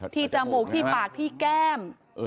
จมูกที่ปากที่แก้ม